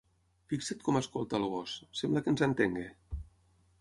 Fixa't com escolta el gos: sembla que ens entengui.